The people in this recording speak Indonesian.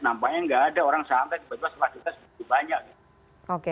nampaknya nggak ada orang sampai tiba tiba fasilitas begitu banyak